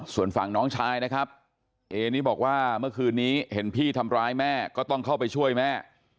ส่วนฝั่งน้องชายนะครับเอนี้บอกว่าเมื่อคืนนี้เห็นพี่ทำร้ายแม่ก็ต้องเข้าไปช่วยแม่